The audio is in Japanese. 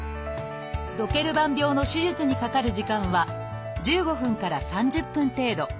ドケルバン病の手術にかかる時間は１５分から３０分程度。